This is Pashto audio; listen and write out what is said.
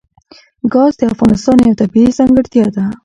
ګاز د افغانستان یوه طبیعي ځانګړتیا ده.